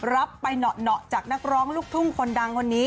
รับไปเหนาะจากนักร้องลูกทุ่งคนดังคนนี้